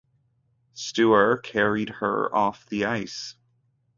Steuer carried her off the ice.